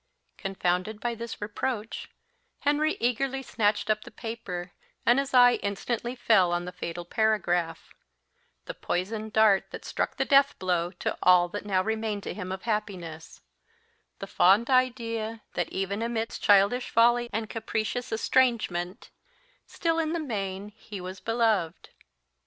Confounded by this reproach, Henry eagerly snatched up the paper, and his eye instantly fell on the fatal paragraph the poisoned dart that struck the death blow to all that now remained to him of happiness the fond idea that, even amidst childish folly and capricious estrangement, still in the main he was beloved!